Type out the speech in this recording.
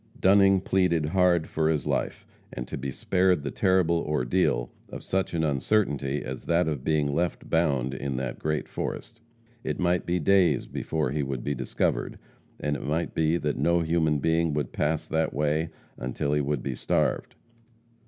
Dunning pleaded hard for his life, and to be spared the terrible ordeal of such an uncertainty as that of being left bound in that great forest. It might be days before he would be discovered, and it might be that no human being would pass that way until he would be starved.